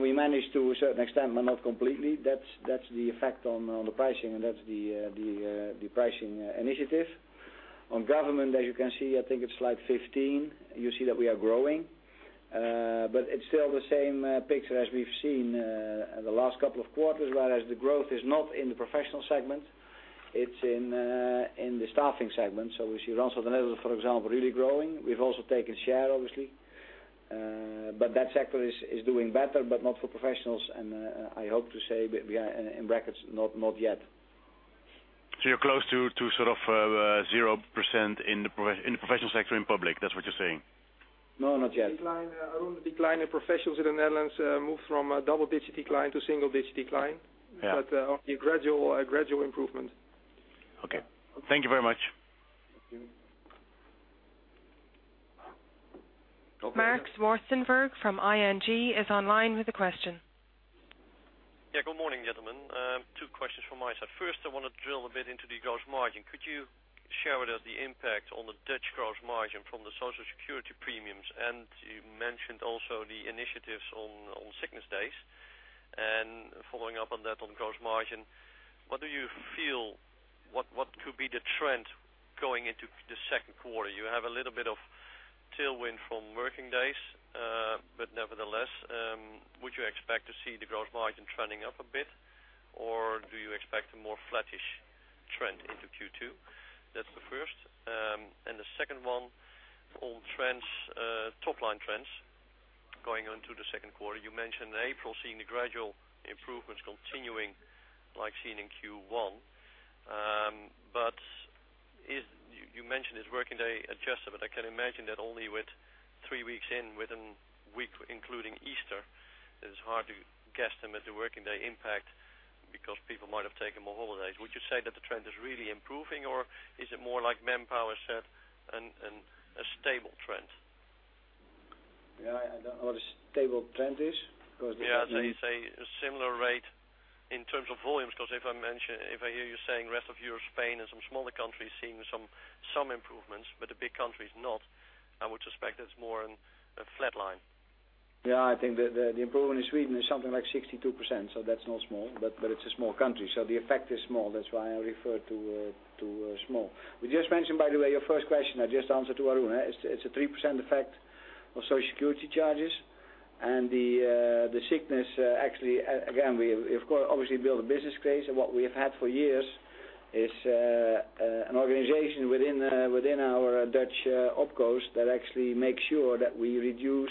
D: We managed to a certain extent, but not completely. That's the effect on the pricing and that's the pricing initiative. On government, as you can see, I think it's slide 15, you see that we are growing. It's still the same picture as we've seen the last couple of quarters, whereas the growth is not in the professional segment, it's in the staffing segment. We see Randstad Netherlands, for example, really growing. We've also taken share, obviously. That sector is doing better, but not for professionals, and I hope to say in brackets, not yet.
K: You're close to 0% in the professional sector in public. That's what you're saying?
D: No, not yet.
K: Decline in professionals in the Netherlands moved from a double-digit decline to single-digit decline.
J: Yeah. A gradual improvement.
K: Okay. Thank you very much.
D: Thank you.
B: Marc Zwartsenburg from ING is online with a question.
L: Good morning, gentlemen. Two questions from my side. First, I want to drill a bit into the gross margin. Could you share with us the impact on the Dutch gross margin from the Social Security premiums? You mentioned also the initiatives on sickness days. Following up on that, on gross margin, what do you feel, what could be the trend going into the second quarter? You have a little bit of tailwind from working days. Nevertheless, would you expect to see the gross margin trending up a bit, or do you expect a more flattish trend into Q2? That's the first. The second one, on top line trends going on to the second quarter. You mentioned in April seeing the gradual improvements continuing like seen in Q1. You mentioned it's working day adjusted, but I can imagine that only with three weeks in with a week including Easter, it's hard to guesstimate the working day impact because people might have taken more holidays. Would you say that the trend is really improving, or is it more like Manpower said, a stable trend?
D: I don't know what a stable trend is.
L: I'd say a similar rate in terms of volumes. If I hear you saying rest of Europe, Spain, and some smaller countries seeing some improvements, but the big countries not, I would suspect that's more a flat line.
D: I think the improvement in Sweden is something like 62%, so that's not small. It's a small country, so the effect is small. That's why I referred to small. We just mentioned, by the way, your first question I just answered to Arun. It's a 3% effect of Social Security charges. The sickness, actually, again, we obviously built a business case, and what we have had for years is an organization within our Dutch opcos that actually makes sure that we reduce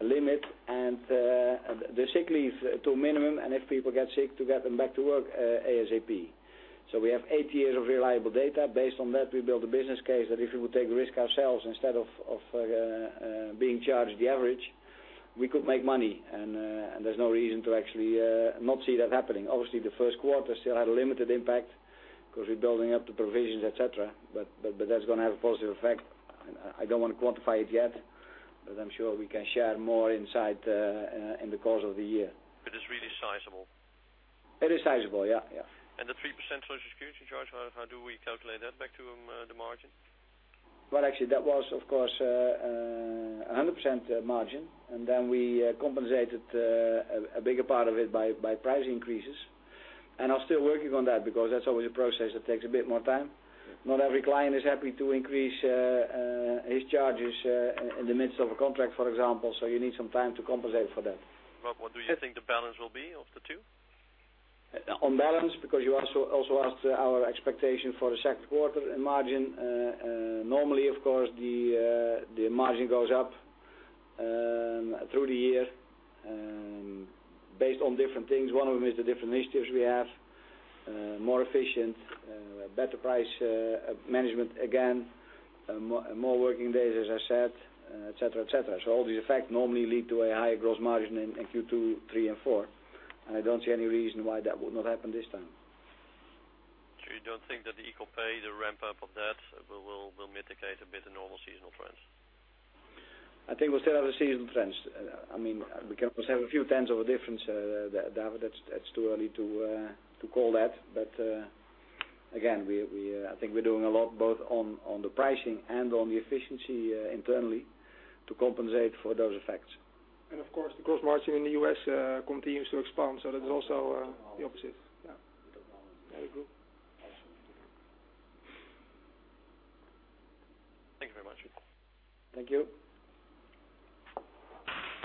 D: limit and the sick leave to a minimum, and if people get sick, to get them back to work ASAP. We have eight years of reliable data. Based on that, we built a business case that if we would take risk ourselves instead of being charged the average, we could make money. There's no reason to actually not see that happening. Obviously, the first quarter still had a limited impact because we're building up the provisions, et cetera. That's going to have a positive effect. I don't want to quantify it yet, but I'm sure we can share more insight in the course of the year.
L: It's really sizable.
D: It is sizable. Yeah.
L: The 3% Social Security charge, how do we calculate that back to the margin?
E: Actually, that was, of course, 100% margin. Then we compensated a bigger part of it by price increases. Are still working on that because that's always a process that takes a bit more time. Not every client is happy to increase his charges in the midst of a contract, for example, so you need some time to compensate for that.
L: What do you think the balance will be of the two?
E: On balance, because you also asked our expectation for the second quarter in margin. Normally, of course, the margin goes up through the year based on different things. One of them is the different initiatives we have, more efficient, better price management again, more working days as I said, et cetera. All the effects normally lead to a higher gross margin in Q2, 3 and 4, and I don't see any reason why that would not happen this time.
L: You don't think that the Equal Pay, the ramp-up of that, will mitigate a bit of normal seasonal trends?
E: I think we'll still have the seasonal trends. We can have a few 10s of a difference, David. That's too early to call that. Again, I think we're doing a lot both on the pricing and on the efficiency internally to compensate for those effects.
A: Of course, the gross margin in the U.S. continues to expand, so that is also the opposite.
L: Thank you very much.
D: Thank you.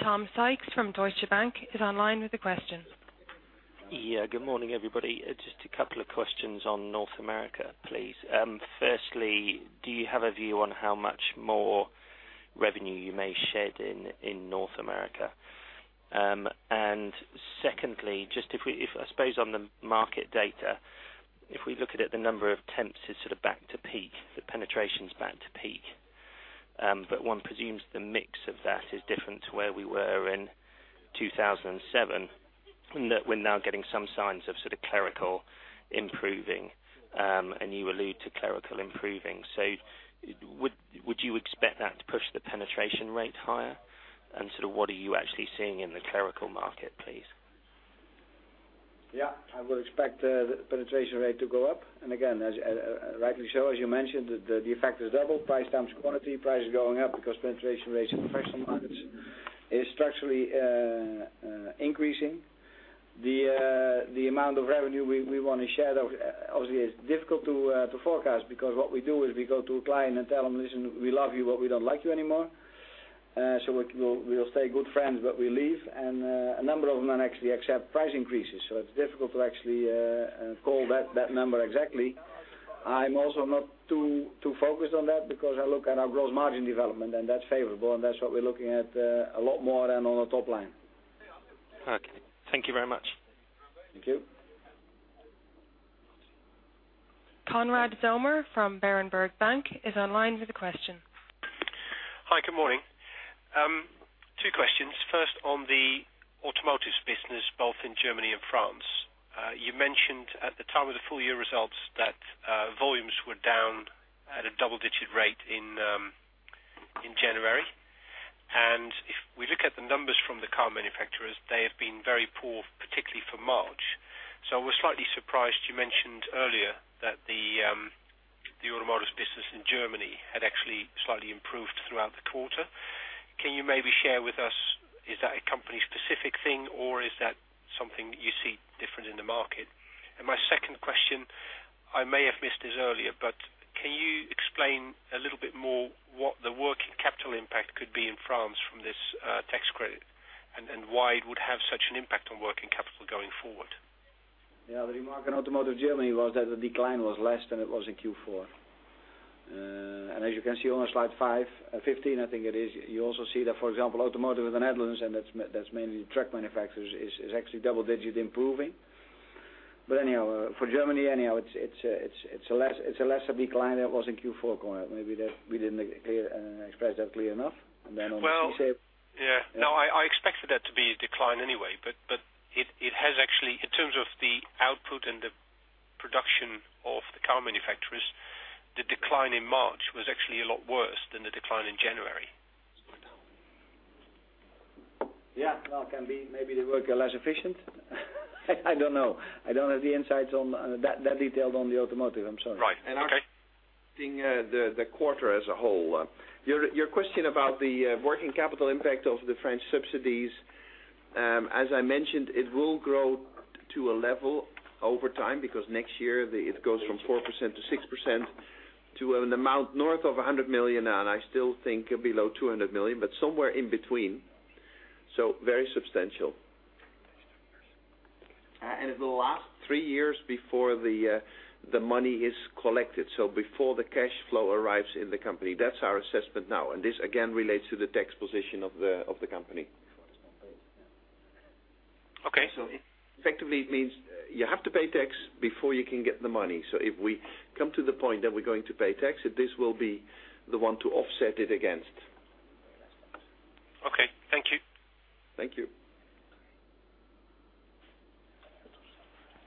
B: Tom Sykes from Deutsche Bank is online with a question.
M: Yeah, good morning, everybody. Just a couple of questions on North America, please. Firstly, do you have a view on how much more revenue you may shed in North America? Secondly, I suppose on the market data, if we look at it, the number of temps is sort of back to peak. The penetration's back to peak. One presumes the mix of that is different to where we were in 2007, in that we're now getting some signs of clerical improving, and you allude to clerical improving. Would you expect that to push the penetration rate higher and what are you actually seeing in the clerical market, please?
E: I would expect the penetration rate to go up. Again, rightly so, as you mentioned, the effect is double. Price times quantity. Price is going up because penetration rates in professional markets is structurally increasing. The amount of revenue we want to shed, obviously, is difficult to forecast because what we do is we go to a client and tell them, "Listen, we love you, but we don't like you anymore. We'll stay good friends, but we leave." A number of them then actually accept price increases. It's difficult to actually call that number exactly. I'm also not too focused on that because I look at our gross margin development, and that's favorable, and that's what we're looking at a lot more than on the top line.
M: Okay. Thank you very much.
E: Thank you.
B: Konrad Zomer from Berenberg Bank is online with a question.
N: Hi, good morning. Two questions. First on the automotive business, both in Germany and France. You mentioned at the time of the full year results that volumes were down at a double-digit rate in January. If we look at the numbers from the car manufacturers, they have been very poor, particularly for March. I was slightly surprised you mentioned earlier that the automotive business in Germany had actually slightly improved throughout the quarter. Can you maybe share with us, is that a company specific thing or is that something you see different in the market? My second question, I may have missed this earlier, but can you explain a little bit more what the working capital impact could be in France from this tax credit and why it would have such an impact on working capital going forward?
E: Yeah. The remark on automotive Germany was that the decline was less than it was in Q4. As you can see on slide 15, I think it is, you also see that, for example, automotive in the Netherlands, and that's mainly truck manufacturers, is actually double-digit improving. Anyhow, for Germany, it's a lesser decline than it was in Q4, Konrad. Maybe we didn't express that clear enough. Then on the [T-shape].
N: Well, yeah. No, I expected that to be a decline anyway. It has actually, in terms of the output and the production of the car manufacturers, the decline in March was actually a lot worse than the decline in January.
E: Yeah. Well, can be maybe they work less efficient. I don't know. I don't have the insights that detailed on the automotive. I'm sorry.
N: Right. Okay.
A: The quarter as a whole. Your question about the working capital impact of the French subsidies, as I mentioned, it will grow to a level over time because next year it goes from 4% to 6%, to an amount north of 100 million and I still think below 200 million, but somewhere in between. Very substantial. It will last three years before the money is collected, so before the cash flow arrives in the company. That's our assessment now. This again relates to the tax position of the company. Okay. Effectively, it means you have to pay tax before you can get the money. If we come to the point that we're going to pay tax, this will be the one to offset it against.
N: Okay. Thank you.
A: Thank you.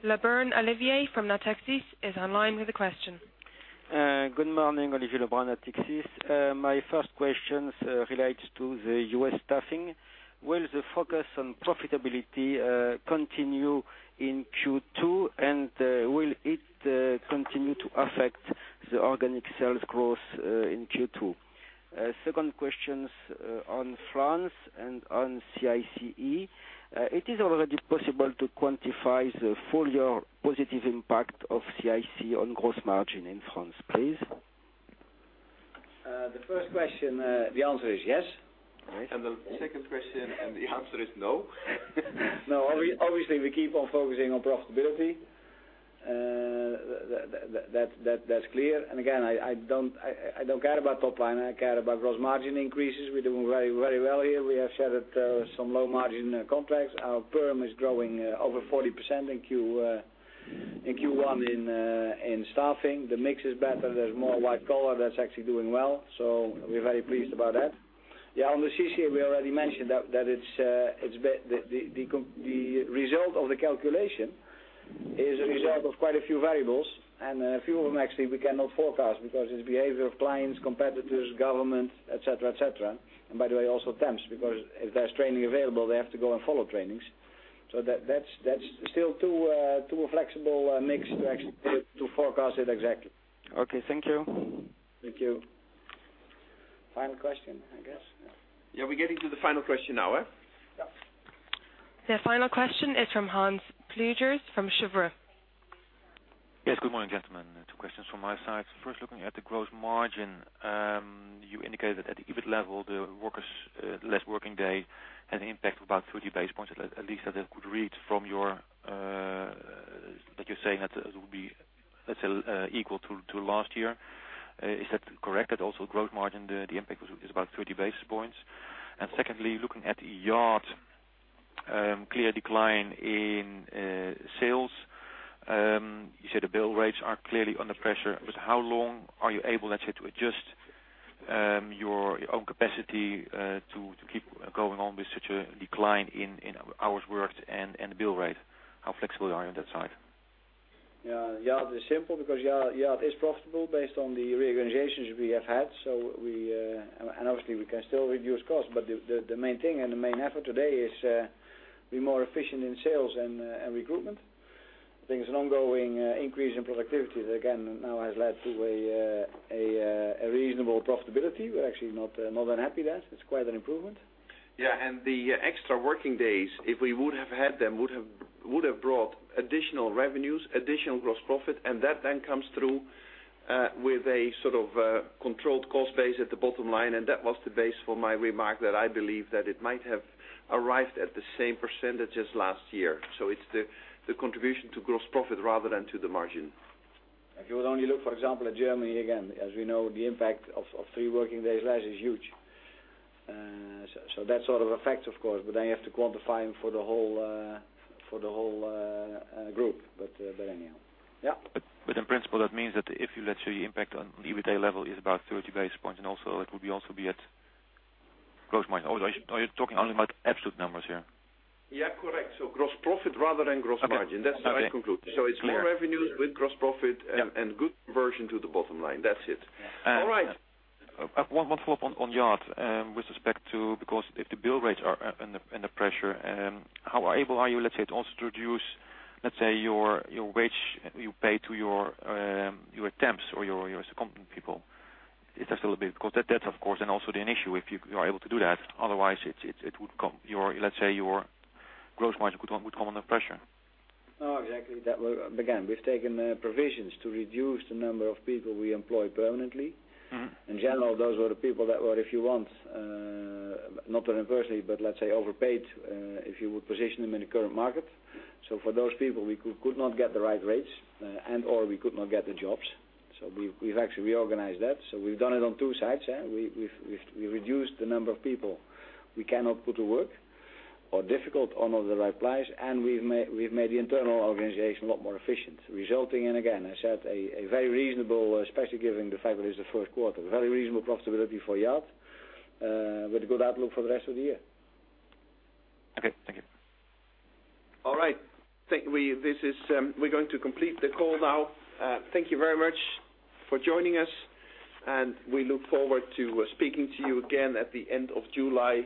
B: Olivier Lebrun from Natixis is online with a question.
O: Good morning, Olivier Lebrun, Natixis. My first question relates to the U.S. staffing. Will the focus on profitability continue in Q2, and will it continue to affect the organic sales growth in Q2? Second question on France and on CICE. It is already possible to quantify the full year positive impact of CICE on gross margin in France, please?
E: The first question, the answer is yes.
A: The second question, the answer is no.
E: No. Obviously, we keep on focusing on profitability. That's clear. Again, I don't care about top line. I care about gross margin increases. We're doing very well here. We have shed some low-margin contracts. Our perm is growing over 40% in Q1 in staffing. The mix is better. There's more white collar. That's actually doing well. We're very pleased about that. Yeah, on the CICE, we already mentioned that the result of the calculation is a result of quite a few variables, and a few of them actually we cannot forecast because it's behavior of clients, competitors, government, et cetera. By the way, also temps, because if there's training available, they have to go and follow trainings. That's still too flexible a mix to forecast it exactly.
O: Okay, thank you.
E: Thank you. Final question, I guess.
A: Yeah, we're getting to the final question now, huh?
D: Yeah.
B: The final question is from Hans Pluijgers from Cheuvreux.
P: Yes. Good morning, gentlemen. Two questions from my side. First, looking at the gross margin, you indicated that at the EBIT level, the workers less working day had an impact of about 30 basis points, at least that I could read from that you're saying that it would be, let's say, equal to last year. Is that correct? That also growth margin, the impact was about 30 basis points. Secondly, looking at Yacht, clear decline in sales. You said the bill rates are clearly under pressure. How long are you able to adjust your own capacity to keep going on with such a decline in hours worked and the bill rate? How flexible are you on that side?
E: Yeah. Yacht is simple because Yacht is profitable based on the reorganizations we have had. Obviously, we can still reduce costs, the main thing and the main effort today is be more efficient in sales and recruitment. I think it's an ongoing increase in productivity that, again, now has led to a reasonable profitability. We're actually not unhappy there. It's quite an improvement.
A: Yeah. The extra working days, if we would have had them, would have brought additional revenues, additional gross profit, that comes through with a sort of controlled cost base at the bottom line. That was the base for my remark that I believe that it might have arrived at the same % last year. It's the contribution to gross profit rather than to the margin.
E: If you would only look, for example, at Germany, again, as we know, the impact of three working days less is huge. That sort of effects, of course, you have to quantify them for the whole group. Anyhow. Yeah.
P: In principle, that means that if you let's say the impact on the EBITA level is about 30 basis points, it would also be at gross margin. Are you talking only about absolute numbers here?
A: Yeah. Correct. Gross profit rather than gross margin.
P: Okay.
A: That's what I conclude.
P: Clear.
A: It's more revenues with gross profit and good conversion to the bottom line. That's it. All right.
P: One follow-up on Yacht with respect to, because if the bill rates are under pressure, how able are you to also reduce your wage you pay to your temps or your second people? That of course, and also an issue if you are able to do that. Otherwise, your gross margin would come under pressure.
E: Exactly. We've taken provisions to reduce the number of people we employ permanently. In general, those were the people that were, if you want, not conversely, but let's say, overpaid, if you would position them in the current market. For those people, we could not get the right rates and/or we could not get the jobs. We've actually reorganized that. We've done it on two sides. We reduced the number of people we cannot put to work or difficult or not at the right price, and we've made the internal organization a lot more efficient, resulting in, again, I said, a very reasonable, especially given the fact that it's the first quarter, very reasonable profitability for Yacht with a good outlook for the rest of the year.
P: Okay. Thank you.
A: All right. We're going to complete the call now. Thank you very much for joining us, and we look forward to speaking to you again at the end of July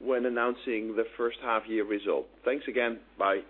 A: when announcing the first half-year result. Thanks again. Bye.